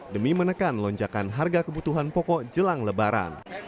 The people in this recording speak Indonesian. demi menekan lonjakan harga kebutuhan pokok jelang lebaran